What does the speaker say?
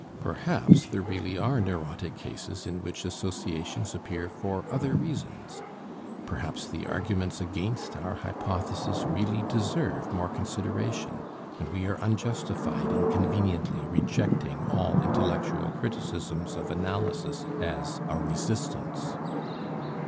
Perhaps there really are neurotic cases in which associations appear for other reasons, perhaps the arguments against our hypothesis really deserve more consideration and we are unjustified in conveniently rejecting all intellectual criticisms of analysis as a resistance.